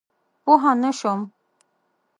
پوه نه شوم؟